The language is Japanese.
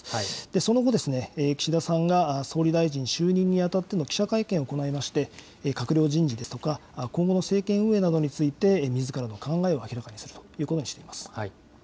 その後、岸田さんが、総理大臣就任にあたっての記者会見を行いまして、閣僚人事ですとか、今後の政権運営などについて、みずからの考えを明らかにするということにしています。